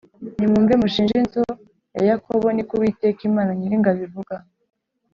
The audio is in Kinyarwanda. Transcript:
Nimwumve, mushinje inzu ya Yakobo.” Ni ko Uwiteka Imana Nyiringabo ivuga.